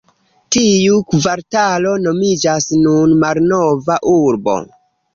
Tiu kvartalo nomiĝas nun "Malnova Urbo".